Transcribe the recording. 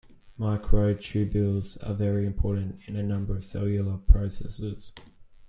Microtubules are very important in a number of cellular processes.